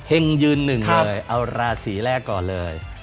ยืนหนึ่งเลยเอาราศีแรกก่อนเลย